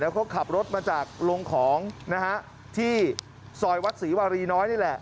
เขาขับรถมาจากลงของนะฮะที่ซอยวัดศรีวารีน้อยนี่แหละ